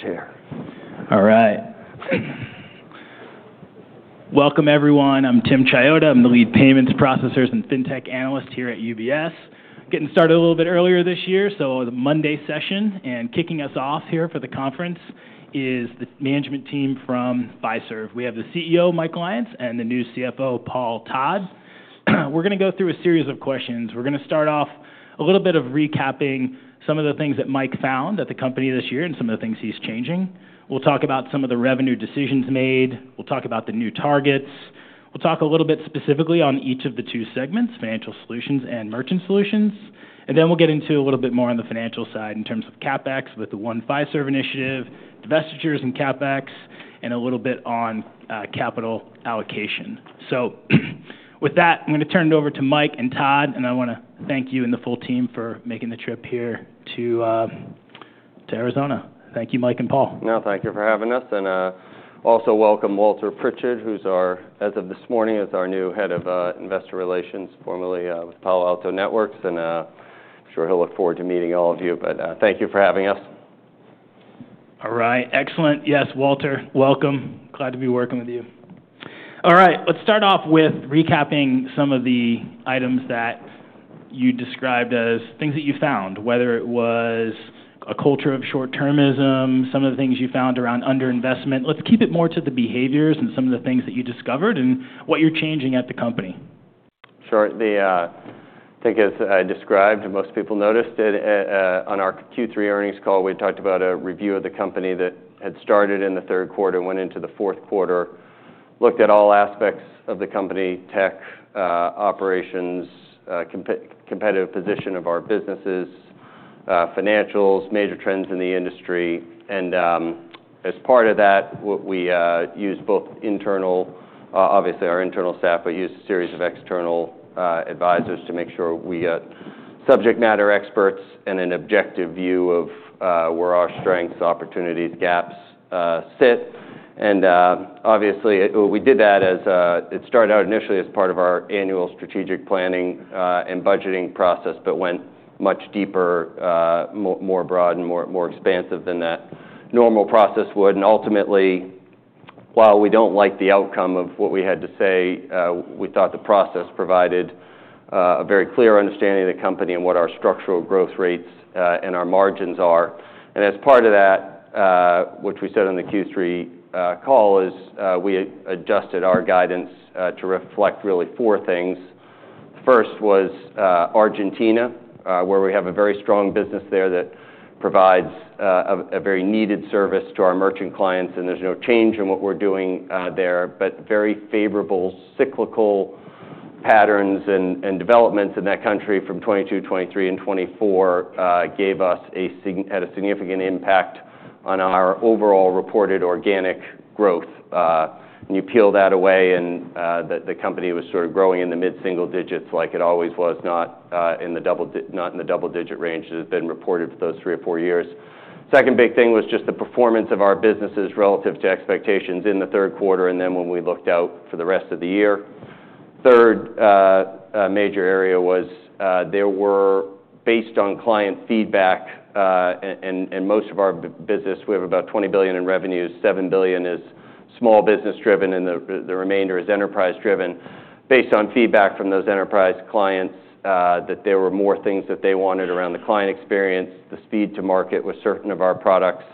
Giant chair. All right. Welcome, everyone. I'm Tim Chiodo. I'm the lead payments processors and fintech analyst here at UBS. Getting started a little bit earlier this year, a Monday session. Kicking us off here for the conference is the management team from Fiserv. We have the CEO, Mike Lyons, and the new CFO, Paul Todd. We're going to go through a series of questions. We're going to start off with a little bit of recapping some of the things that Mike found at the company this year and some of the things he's changing. We'll talk about some of the revenue decisions made. We'll talk about the new targets. We'll talk a little bit specifically on each of the two segments, Financial Solutions and Merchant Solutions. We'll get into a little bit more on the financial side in terms of CapEx with the One Fiserv Initiative, investors in CapEx, and a little bit on capital allocation. With that, I'm going to turn it over to Mike and Todd. I want to thank you and the full team for making the trip here to Arizona. Thank you, Mike and Paul. No, thank you for having us. Also, welcome Walter Pritchard, who's our, as of this morning, as our new Head of Investor Relations, formerly with Palo Alto Networks. I'm sure he'll look forward to meeting all of you. Thank you for having us. All right. Excellent. Yes, Walter, welcome. Glad to be working with you. All right. Let's start off with recapping some of the items that you described as things that you found, whether it was a culture of short-termism, some of the things you found around underinvestment. Let's keep it more to the behaviors and some of the things that you discovered and what you're changing at the company. Sure. I think, as I described, most people noticed it. On our Q3 earnings call, we talked about a review of the company that had started in the third quarter, went into the fourth quarter, looked at all aspects of the company: tech, operations, competitive position of our businesses, financials, major trends in the industry. As part of that, we used both internal, obviously our internal staff, but used a series of external advisors to make sure we got subject matter experts and an objective view of where our strengths, opportunities, gaps sit. Obviously, we did that as it started out initially as part of our annual strategic planning and budgeting process, but went much deeper, more broad, and more expansive than that normal process would. Ultimately, while we do not like the outcome of what we had to say, we thought the process provided a very clear understanding of the company and what our structural growth rates and our margins are. As part of that, which we said on the Q3 call, we adjusted our guidance to reflect really four things. First was Argentina, where we have a very strong business that provides a very needed service to our merchant clients. There is no change in what we are doing there. Very favorable cyclical patterns and developments in that country from 2022, 2023, and 2024 gave us a significant impact on our overall reported organic growth. You peel that away, and the company was sort of growing in the mid-single-digits like it always was, not in the double-digit range that had been reported for those three or four years. Second big thing was just the performance of our businesses relative to expectations in the third quarter and then when we looked out for the rest of the year. Third major area was there were, based on client feedback, in most of our business, we have about $20 billion in revenue. $7 billion is small business-driven, and the remainder is enterprise-driven. Based on feedback from those enterprise clients, there were more things that they wanted around the client experience. The speed to market was certain of our products.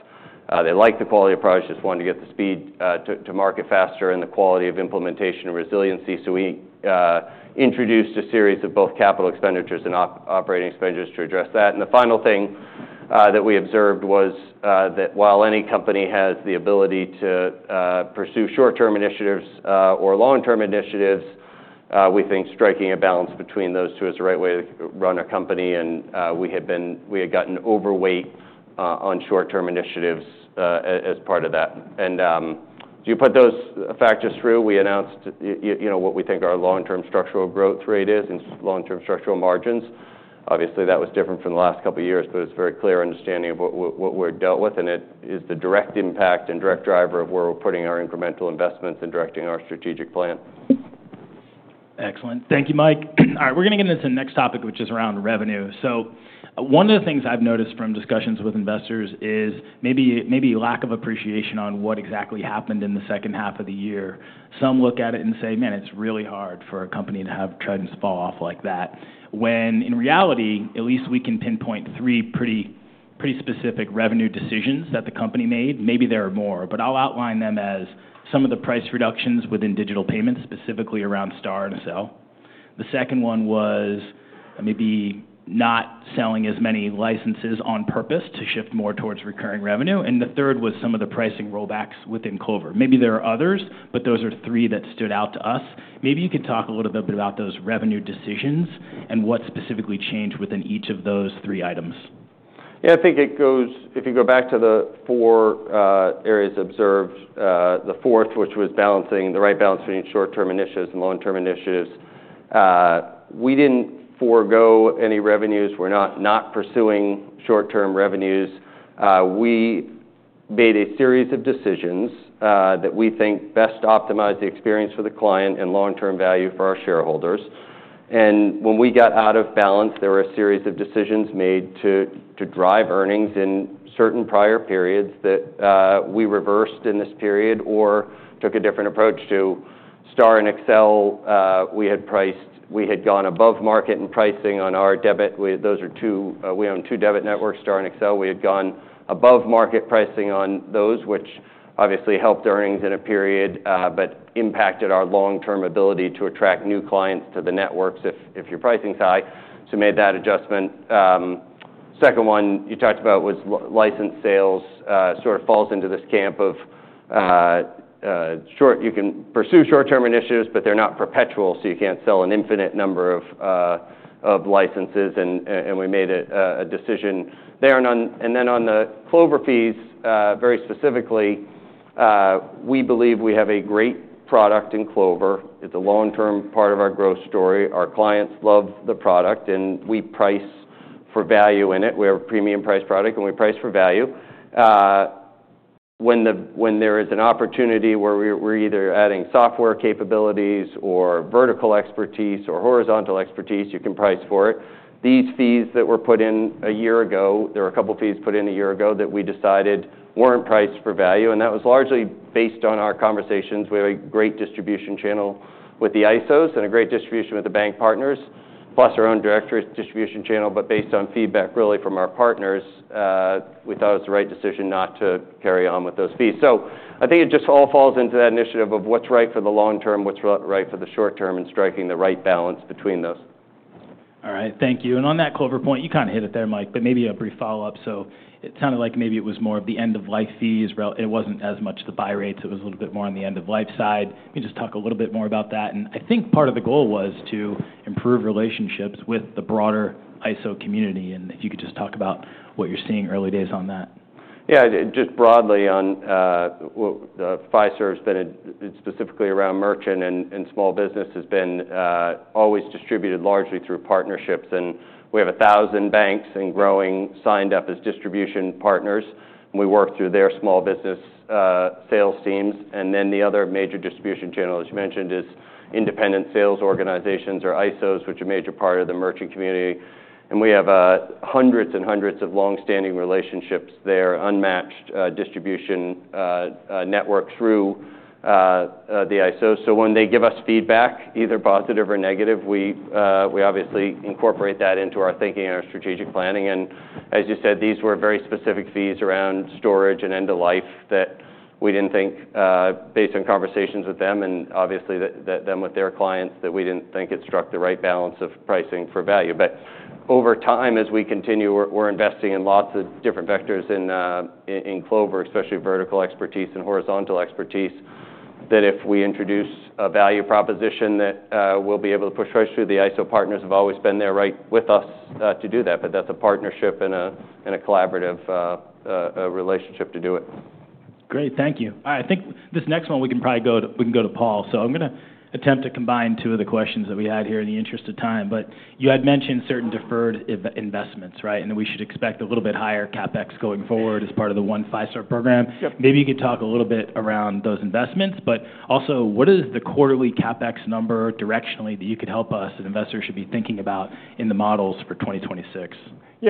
They liked the quality of products, just wanted to get the speed to market faster and the quality of implementation and resiliency. We introduced a series of both capital expenditures and operating expenditures to address that. The final thing that we observed was that while any company has the ability to pursue short-term initiatives or long-term initiatives, we think striking a balance between those two is the right way to run a company. We had gotten overweight on short-term initiatives as part of that. As you put those factors through, we announced what we think our long-term structural growth rate is and long-term structural margins. Obviously, that was different from the last couple of years, but it was a very clear understanding of what we're dealt with. It is the direct impact and direct driver of where we're putting our incremental investments and directing our strategic plan. Excellent. Thank you, Mike. All right. We're going to get into the next topic, which is around revenue. One of the things I've noticed from discussions with investors is maybe lack of appreciation on what exactly happened in the second half of the year. Some look at it and say, "Man, it's really hard for a company to have trends fall off like that." In reality, at least we can pinpoint three pretty specific revenue decisions that the company made. Maybe there are more, but I'll outline them as some of the price reductions within digital payments, specifically around STAR and Accel. The second one was maybe not selling as many licenses on purpose to shift more towards recurring revenue. The third was some of the pricing rollbacks within Clover. Maybe there are others, but those are three that stood out to us. Maybe you could talk a little bit about those revenue decisions and what specifically changed within each of those three items. Yeah, I think it goes, if you go back to the four areas observed, the fourth, which was balancing, the right balance between short-term initiatives and long-term initiatives. We did not forego any revenues. We are not pursuing short-term revenues. We made a series of decisions that we think best optimize the experience for the client and long-term value for our shareholders. When we got out of balance, there were a series of decisions made to drive earnings in certain prior periods that we reversed in this period or took a different approach to STAR and Accel. We had gone above market in pricing on our debit. Those are two. We own two debit networks, STAR and Accel. We had gone above market pricing on those, which obviously helped earnings in a period but impacted our long-term ability to attract new clients to the networks if your pricing is high. We made that adjustment. The second one you talked about was license sales, sort of falls into this camp of you can pursue short-term initiatives, but they're not perpetual, so you can't sell an infinite number of licenses. We made a decision there. On the Clover fees, very specifically, we believe we have a great product in Clover. It's a long-term part of our growth story. Our clients love the product, and we price for value in it. We have a premium-priced product, and we price for value. When there is an opportunity where we're either adding software capabilities or vertical expertise or horizontal expertise, you can price for it. These fees that were put in a year ago, there were a couple of fees put in a year ago that we decided weren't priced for value. That was largely based on our conversations. We have a great distribution channel with the ISOs and a great distribution with the bank partners, plus our own directory distribution channel. Based on feedback really from our partners, we thought it was the right decision not to carry on with those fees. I think it just all falls into that initiative of what's right for the long term, what's right for the short term, and striking the right balance between those. All right. Thank you. On that Clover point, you kind of hit it there, Mike, but maybe a brief follow-up. It sounded like maybe it was more of the end-of-life fees. It was not as much the buy rates. It was a little bit more on the end-of-life side. Can you just talk a little bit more about that? I think part of the goal was to improve relationships with the broader ISO community. If you could just talk about what you are seeing early days on that. Yeah, just broadly on Fiserv's been specifically around merchant and small business has been always distributed largely through partnerships. We have 1,000 banks and growing signed up as distribution partners. We work through their small business sales teams. The other major distribution channel, as you mentioned, is independent sales organizations or ISOs, which are a major part of the merchant community. We have hundreds and hundreds of long-standing relationships there, unmatched distribution network through the ISO. When they give us feedback, either positive or negative, we obviously incorporate that into our thinking and our strategic planning. As you said, these were very specific fees around storage and end-of-life that we did not think, based on conversations with them and obviously them with their clients, that we did not think it struck the right balance of pricing for value. Over time, as we continue, we're investing in lots of different vectors in Clover, especially vertical expertise and horizontal expertise, that if we introduce a value proposition that we'll be able to push through, the ISO partners have always been there right with us to do that. That's a partnership and a collaborative relationship to do it. Great. Thank you. All right. I think this next one we can probably go to Paul. I'm going to attempt to combine two of the questions that we had here in the interest of time. You had mentioned certain deferred investments, right? That we should expect a little bit higher CapEx going forward as part of the One Fiserv program. Maybe you could talk a little bit around those investments. Also, what is the quarterly CapEx number directionally that you could help us and investors should be thinking about in the models for 2026? Yeah. We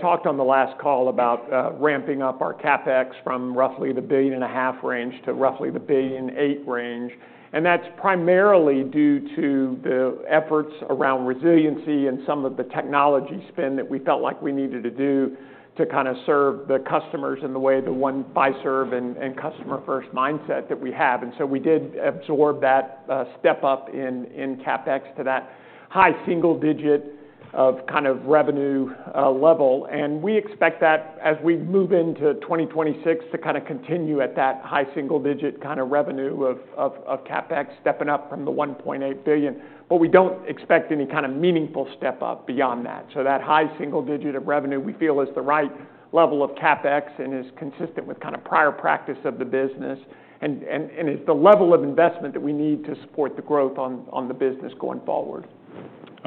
talked on the last call about ramping up our CapEx from roughly the $1.5 billion range to roughly the $1.8 billion range. That is primarily due to the efforts around resiliency and some of the technology spin that we felt like we needed to do to kind of serve the customers in the way the One Fiserv and customer-first mindset that we have. We did absorb that step up in CapEx to that high single-digit of kind of revenue level. We expect that as we move into 2026 to kind of continue at that high single-digit kind of revenue of CapEx stepping up from the $1.8 billion. We do not expect any kind of meaningful step up beyond that. That high single-digit of revenue we feel is the right level of CapEx and is consistent with kind of prior practice of the business and is the level of investment that we need to support the growth on the business going forward.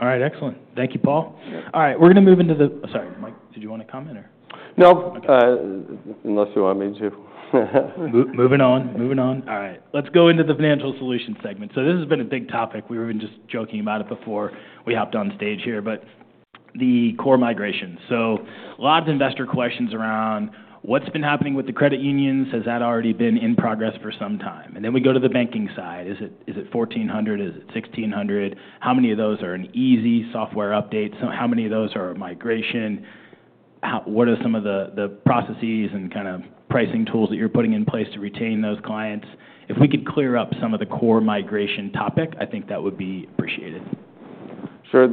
All right. Excellent. Thank you, Paul. All right. We're going to move into the—sorry, Mike, did you want to comment or? No, unless you want me to. Moving on. All right. Let's go into the Financial Solutions segment. This has been a big topic. We were even just joking about it before we hopped on stage here. The core migration. A lot of investor questions around what's been happening with the credit unions. Has that already been in progress for some time? We go to the banking side. Is it 1,400? Is it 1,600? How many of those are an easy software update? How many of those are migration? What are some of the processes and kind of pricing tools that you're putting in place to retain those clients? If we could clear up some of the core migration topic, I think that would be appreciated. Sure.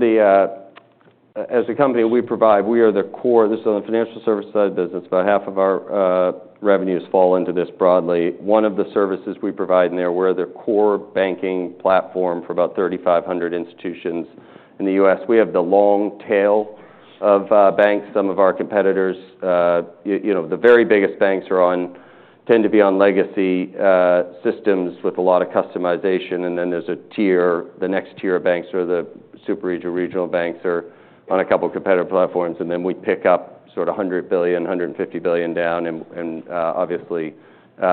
As a company we provide, we are the core—this is on the financial service side of business. About half of our revenues fall into this broadly. One of the services we provide in there, we're the core banking platform for about 3,500 institutions in the U.S. We have the long tail of banks. Some of our competitors, the very biggest banks tend to be on legacy systems with a lot of customization. There is a tier. The next tier of banks are the super regional banks that are on a couple of competitive platforms. We pick up sort of $100 billion-$150 billion down. Obviously,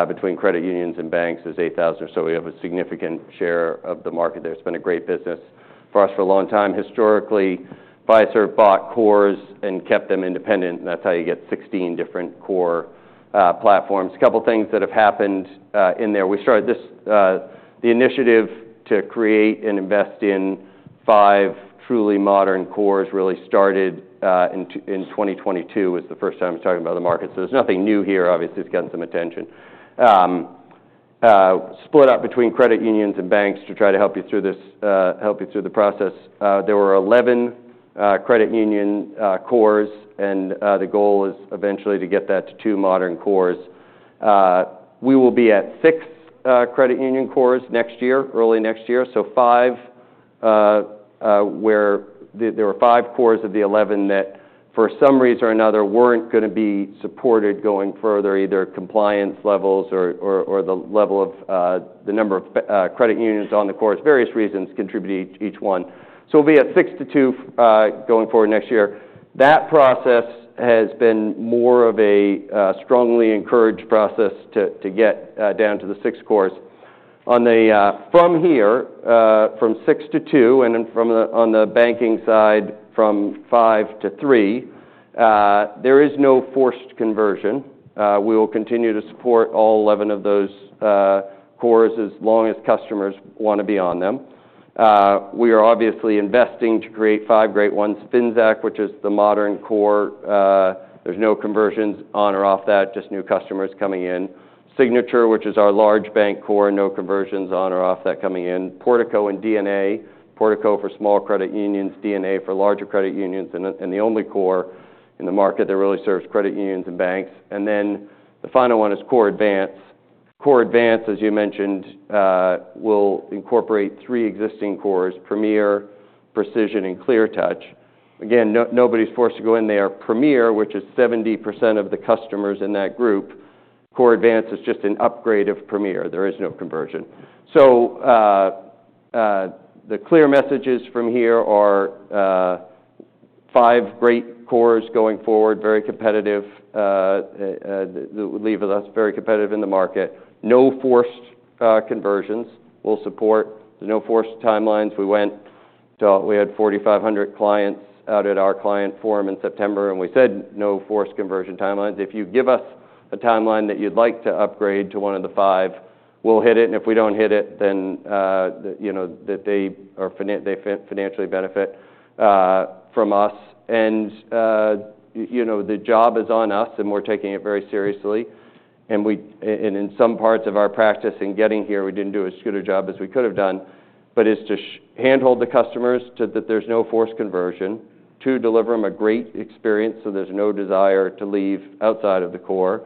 between credit unions and banks is 8,000 or so. We have a significant share of the market there. It's been a great business for us for a long time. Historically, Fiserv bought cores and kept them independent. That's how you get 16 different core platforms. A couple of things that have happened in there. We started this initiative to create and invest in five truly modern cores, really started in 2022. It was the first time we were talking about the market. There's nothing new here. Obviously, it's gotten some attention. Split up between credit unions and banks to try to help you through this, help you through the process. There were 11 credit union cores. The goal is eventually to get that to two modern cores. We will be at six credit union cores next year, early next year. Five of the 11 cores, for some reason or another, were not going to be supported going further, either compliance levels or the number of credit unions on the cores. Various reasons contributing to each one. We will be at six to two going forward next year. That process has been more of a strongly encouraged process to get down to the six cores. From here, from six to two and then from the banking side from five to three, there is no forced conversion. We will continue to support all 11 of those cores as long as customers want to be on them. We are obviously investing to create five great ones. Finxact, which is the modern core, there are no conversions on or off that, just new customers coming in. Signature, which is our large bank core, no conversions on or off that coming in. Portico and DNA. Portico for small credit unions, DNA for larger credit unions. It is the only core in the market that really serves credit unions and banks. The final one is CoreAdvance. CoreAdvance, as you mentioned, will incorporate three existing cores: Premiere, Precision, and Cleartouch. Again, nobody's forced to go in there. Premiere, which is 70% of the customers in that group. CoreAdvance is just an upgrade of Premiere. There is no conversion. The clear messages from here are five great cores going forward, very competitive, leave us very competitive in the market. No forced conversions. We'll support. There's no forced timelines. We went to—we had 4,500 clients out at our client forum in September. We said no forced conversion timelines. If you give us a timeline that you'd like to upgrade to one of the five, we'll hit it. If we don't hit it, then they financially benefit from us. The job is on us, and we're taking it very seriously. In some parts of our practice in getting here, we did not do as good a job as we could have done, but it is to handhold the customers so that there is no forced conversion. Two, deliver them a great experience so there is no desire to leave outside of the core.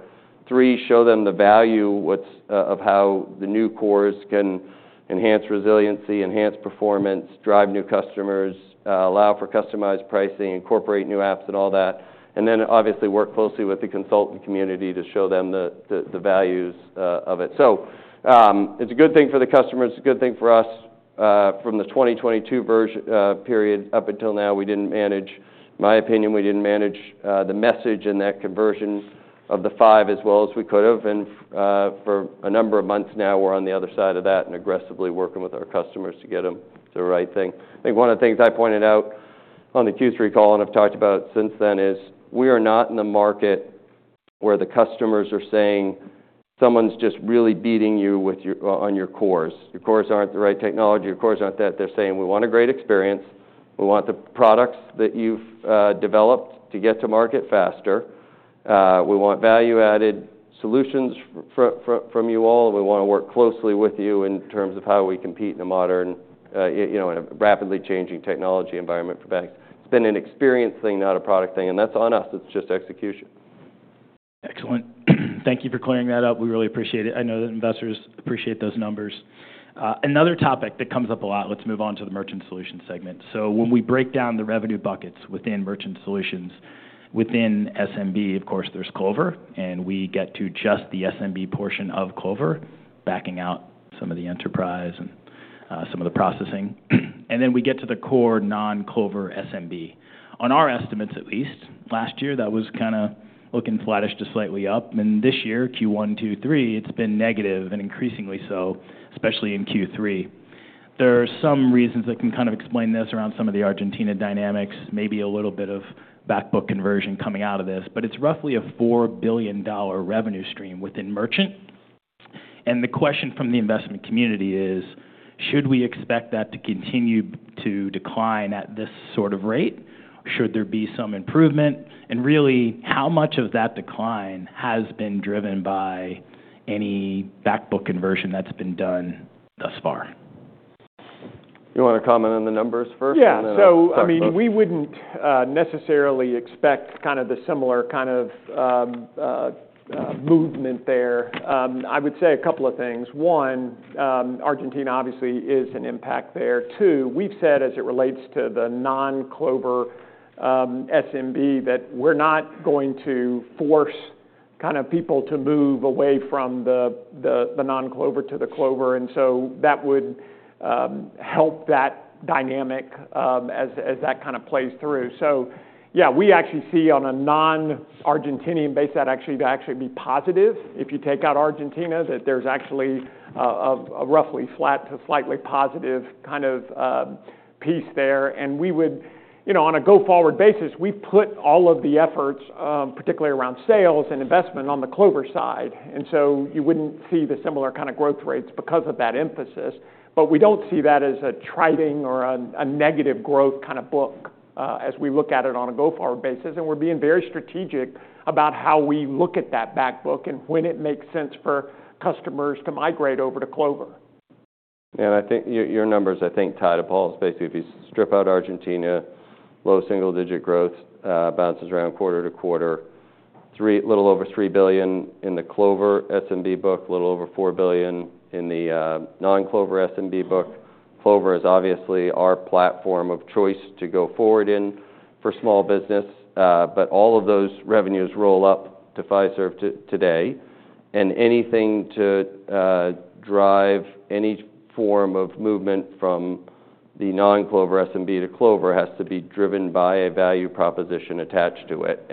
Three, show them the value of how the new cores can enhance resiliency, enhance performance, drive new customers, allow for customized pricing, incorporate new apps and all that. Obviously, work closely with the consultant community to show them the values of it. It is a good thing for the customers. It is a good thing for us. From the 2022 period up until now, we did not manage—in my opinion, we did not manage the message and that conversion of the five as well as we could have. For a number of months now, we're on the other side of that and aggressively working with our customers to get them to the right thing. I think one of the things I pointed out on the Q3 call and I've talked about since then is we are not in the market where the customers are saying someone's just really beating you on your cores. Your cores aren't the right technology. Your cores aren't that. They're saying, "We want a great experience. We want the products that you've developed to get to market faster. We want value-added solutions from you all. And we want to work closely with you in terms of how we compete in a modern, rapidly changing technology environment for banks." It's been an experience thing, not a product thing. That's on us. It's just execution. Excellent. Thank you for clearing that up. We really appreciate it. I know that investors appreciate those numbers. Another topic that comes up a lot. Let's move on to the Merchant Solutions segment. When we break down the revenue buckets within Merchant Solutions, within SMB, of course, there's Clover. We get to just the SMB portion of Clover, backing out some of the enterprise and some of the processing. Then we get to the core non-Clover SMB. On our estimates, at least, last year, that was kind of looking flattish to slightly up. This year, Q1, Q2, Q3, it's been negative and increasingly so, especially in Q3. There are some reasons that can kind of explain this around some of the Argentina dynamics, maybe a little bit of back-book conversion coming out of this. It's roughly a $4 billion revenue stream within Merchant. The question from the investment community is, should we expect that to continue to decline at this sort of rate? Should there be some improvement? And really, how much of that decline has been driven by any back-book conversion that's been done thus far? You want to comment on the numbers first? Yeah. I mean, we wouldn't necessarily expect kind of the similar kind of movement there. I would say a couple of things. One, Argentina obviously is an impact there. Two, we've said as it relates to the non-Clover SMB that we're not going to force kind of people to move away from the non-Clover to the Clover. That would help that dynamic as that kind of plays through. Yeah, we actually see on a non-Argentinian base that actually be positive if you take out Argentina, that there's actually a roughly flat to slightly positive kind of piece there. We would, on a go-forward basis, we've put all of the efforts, particularly around sales and investment, on the Clover side. You wouldn't see the similar kind of growth rates because of that emphasis. We do not see that as a thriving or a negative growth kind of book as we look at it on a go-forward basis. We are being very strategic about how we look at that back-book and when it makes sense for customers to migrate over to Clover. I think your numbers, I think, tied to Paul's basically, if you strip out Argentina, low single-digit growth bounces around quarter to quarter. Three, a little over $3 billion in the Clover SMB book, a little over $4 billion in the non-Clover SMB book. Clover is obviously our platform of choice to go forward in for small business. All of those revenues roll up to Fiserv today. Anything to drive any form of movement from the non-Clover SMB to Clover has to be driven by a value proposition attached to it.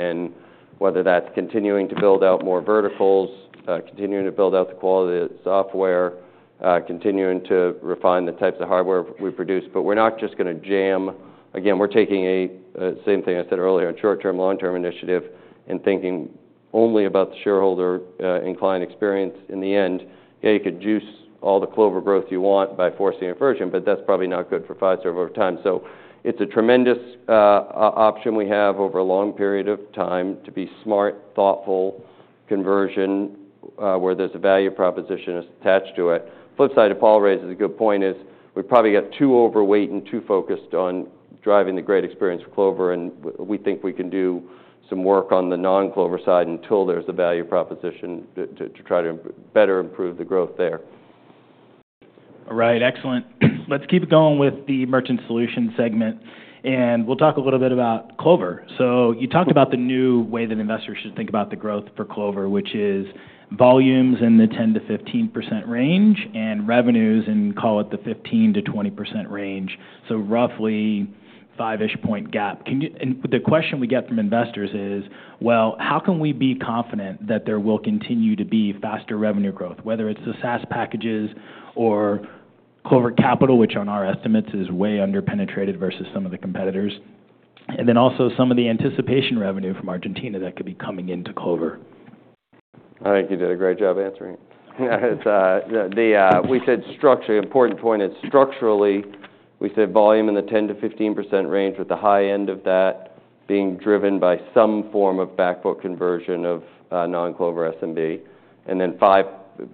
Whether that's continuing to build out more verticals, continuing to build out the quality of the software, continuing to refine the types of hardware we produce. We're not just going to jam. Again, we're taking a same thing I said earlier, a short-term, long-term initiative and thinking only about the shareholder inclined experience. In the end, yeah, you could juice all the Clover growth you want by forcing a version, but that's probably not good for Fiserv over time. It is a tremendous option we have over a long period of time to be smart, thoughtful, conversion where there's a value proposition attached to it. The flip side of Paul raises a good point is we probably get too overweight and too focused on driving the great experience of Clover. We think we can do some work on the non-Clover side until there's a value proposition to try to better improve the growth there. All right. Excellent. Let's keep it going with the Merchant Solutions segment. And we'll talk a little bit about Clover. You talked about the new way that investors should think about the growth for Clover, which is volumes in the 10%-15% range and revenues in, call it, the 15%-20% range. So roughly five-ish point gap. The question we get from investors is, how can we be confident that there will continue to be faster revenue growth, whether it's the SaaS packages or Clover Capital, which on our estimates is way underpenetrated versus some of the competitors, and then also some of the anticipation revenue from Argentina that could be coming into Clover? I think you did a great job answering it. We said structure, important point. It's structurally, we said volume in the 10%-15% range with the high end of that being driven by some form of back-book conversion of non-Clover SMB. And then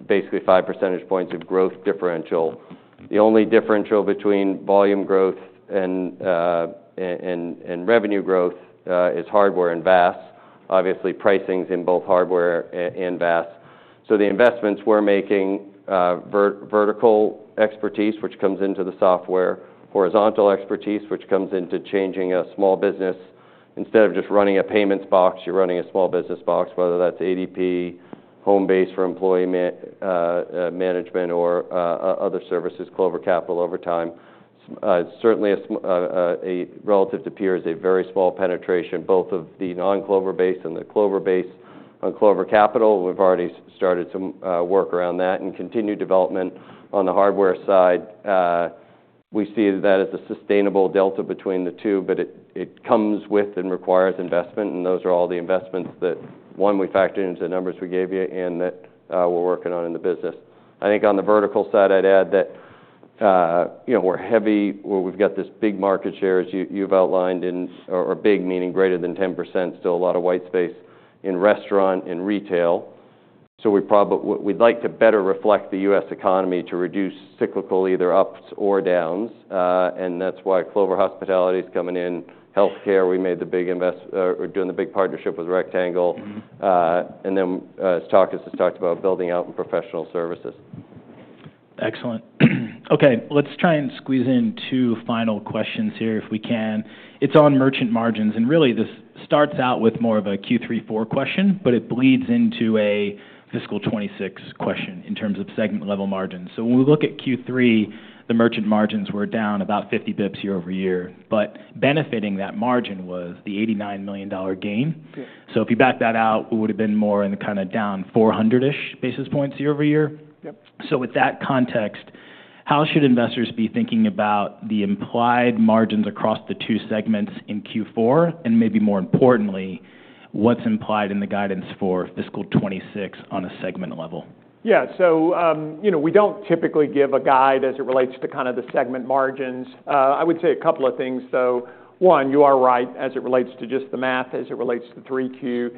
basically five percentage points of growth differential. The only differential between volume growth and revenue growth is hardware and VAS. Obviously, pricing's in both hardware and VAS. The investments we're making, vertical expertise, which comes into the software, horizontal expertise, which comes into changing a small business. Instead of just running a payments box, you're running a small business box, whether that's ADP, Homebase for employment management, or other services, Clover Capital over time. Certainly, relative to peers, a very small penetration, both of the non-Clover base and the Clover base on Clover Capital. We've already started some work around that and continued development on the hardware side. We see that as a sustainable delta between the two, but it comes with and requires investment. Those are all the investments that, one, we factored into the numbers we gave you and that we're working on in the business. I think on the vertical side, I'd add that we're heavy. We've got this big market share as you've outlined in, or big meaning greater than 10%, still a lot of white space in restaurant and retail. We would like to better reflect the U.S. economy to reduce cyclical either ups or downs. That is why Clover Hospitality is coming in. Healthcare, we made the big investment, we're doing the big partnership with Rectangle. Then as talk is, it's talked about building out in professional services. Excellent. Okay. Let's try and squeeze in two final questions here if we can. It's on merchant margins. And really, this starts out with more of a Q3, Q4 question, but it bleeds into a fiscal 2026 question in terms of segment level margins. So when we look at Q3, the merchant margins were down about 50 [bps] year-over-year. But benefiting that margin was the $89 million gain. If you back that out, it would have been more in the kind of down 400-ish basis points year-over-year. With that context, how should investors be thinking about the implied margins across the two segments in Q4? And maybe more importantly, what's implied in the guidance for fiscal 2026 on a segment level? Yeah. We do not typically give a guide as it relates to kind of the segment margins. I would say a couple of things. One, you are right as it relates to just the math, as it relates to the 3Q.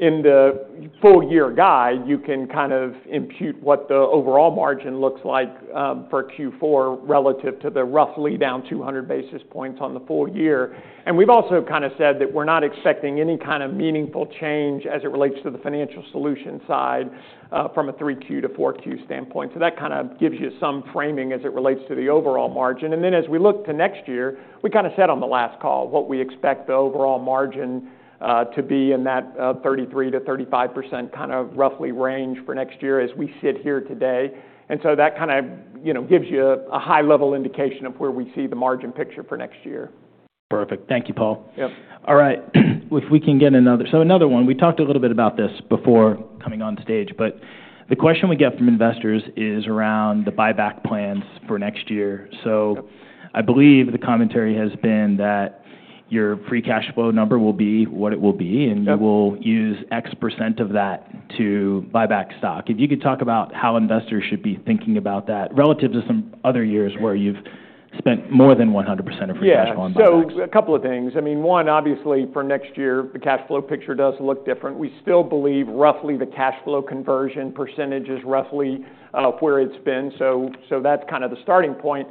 In the full year guide, you can kind of impute what the overall margin looks like for Q4 relative to the roughly down 200 basis points on the full year. We have also kind of said that we are not expecting any kind of meaningful change as it relates to the Financial Solutions side from a 3Q to 4Q standpoint. That kind of gives you some framing as it relates to the overall margin. As we look to next year, we kind of said on the last call what we expect the overall margin to be in that 33%-35% kind of roughly range for next year as we sit here today. That kind of gives you a high-level indication of where we see the margin picture for next year. Perfect. Thank you, Paul. All right. If we can get another, so another one. We talked a little bit about this before coming on stage. The question we get from investors is around the buyback plans for next year. I believe the commentary has been that your free cash flow number will be what it will be, and you will use X% of that to buy back stock. If you could talk about how investors should be thinking about that relative to some other years where you've spent more than 100% of free cash flow on buyback. Yeah. So a couple of things. I mean, one, obviously for next year, the cash flow picture does look different. We still believe roughly the cash flow conversion percentage is roughly where it's been. That is kind of the starting point.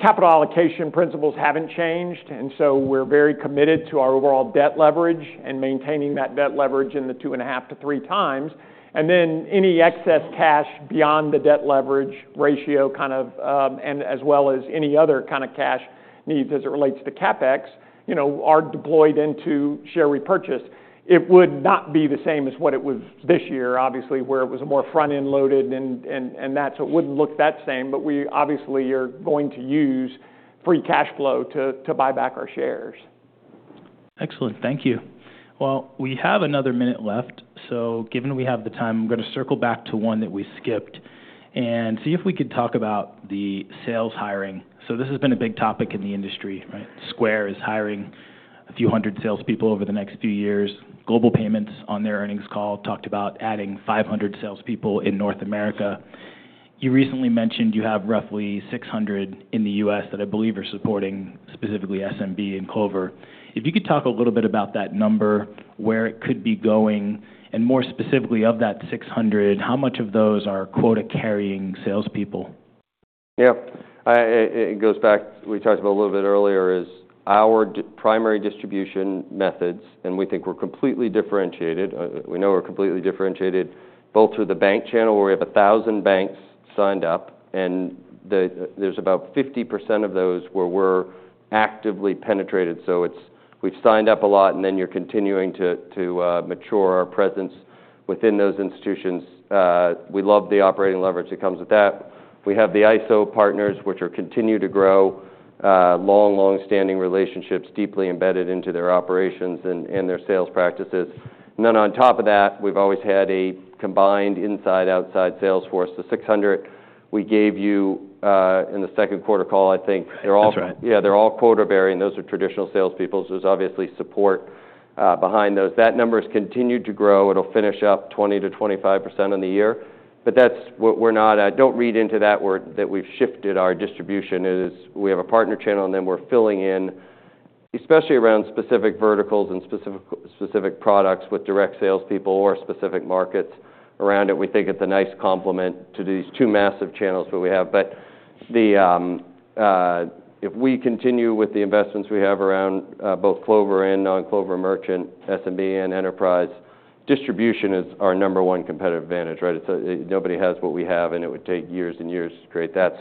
Capital allocation principles have not changed. We are very committed to our overall debt leverage and maintaining that debt leverage in the two and a half to three times. Any excess cash beyond the debt leverage ratio, as well as any other cash needs as it relates to CapEx, are deployed into share repurchase. It would not be the same as what it was this year, obviously, where it was more front-end loaded. It would not look the same. We obviously are going to use free cash flow to buy back our shares. Excellent. Thank you. We have another minute left. Given we have the time, I'm going to circle back to one that we skipped and see if we could talk about the sales hiring. This has been a big topic in the industry, right? Square is hiring a few hundred salespeople over the next few years. Global Payments on their earnings call talked about adding 500 salespeople in North America. You recently mentioned you have roughly 600 in the U.S. that I believe are supporting specifically SMB and Clover. If you could talk a little bit about that number, where it could be going. More specifically, of that 600, how much of those are quota carrying salespeople? Yeah. It goes back, we talked about a little bit earlier, is our primary distribution methods. We think we're completely differentiated. We know we're completely differentiated both through the bank channel where we have 1,000 banks signed up. There's about 50% of those where we're actively penetrated. We've signed up a lot, and then you're continuing to mature our presence within those institutions. We love the operating leverage that comes with that. We have the ISO partners, which are continuing to grow, long, long-standing relationships deeply embedded into their operations and their sales practices. On top of that, we've always had a combined inside-outside sales force. The 600 we gave you in the second quarter call, I think. That's right. Yeah, they're all quota bearing. Those are traditional salespeople. There's obviously support behind those. That number has continued to grow. It'll finish up 20-25% on the year. That's what we're not, I don't read into that, that we've shifted our distribution. We have a partner channel, and then we're filling in, especially around specific verticals and specific products with direct salespeople or specific markets around it. We think it's a nice complement to these two massive channels that we have. If we continue with the investments we have around both Clover and non-Clover merchant SMB and enterprise, distribution is our number one competitive advantage, right? Nobody has what we have, and it would take years and years to create that.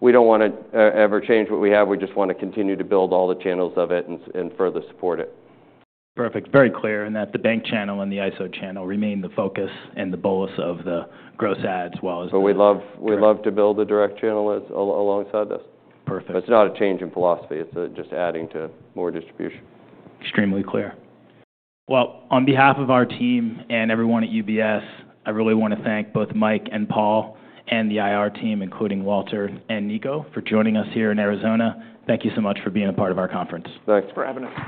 We don't want to ever change what we have. We just want to continue to build all the channels of it and further support it. Perfect. Very clear in that the bank channel and the ISO channel remain the focus and the bolus of the gross ads while it's. We love to build a direct channel alongside this. Perfect. It is not a change in philosophy. It is just adding to more distribution. Extremely clear. On behalf of our team and everyone at UBS, I really want to thank both Mike and Paul and the IR team, including Walter and Nico, for joining us here in Arizona. Thank you so much for being a part of our conference. Thanks for having us.